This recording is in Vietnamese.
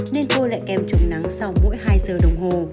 nên tôi lại kem chống nắng sau mỗi hai giờ đồng hồ